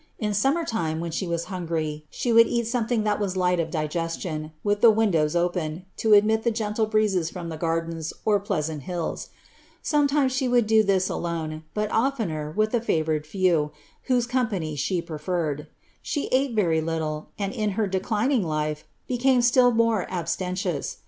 In summer time, when she^was hungry, •he would eat something that was light of digestion, with the windows open, to admit the gentle breezes from the gardens, or pleasant hills. Sometimes she would do this alone, but oflener with the favoured few, whose company she preferred. She ate very little, and in her declining life, became still more abstemious.